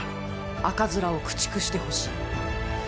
赤面を駆逐してほしい！